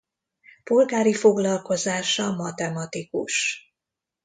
Polgári foglalkozása matematikus.